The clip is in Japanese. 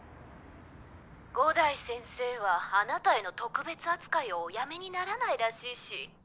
五代先生はあなたへの特別扱いをおやめにならないらしいし。